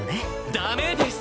ダメです！